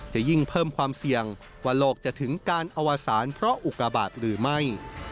จะยิ่งเพิ่มความเสี่ยงว่าโลกจะถึงการอวสารเพราะอุกาบาทหรือไม่